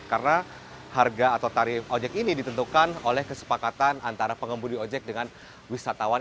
karena harga atau tarif ojek ini ditentukan oleh kesepakatan antara pengembudi ojek dengan wisatawan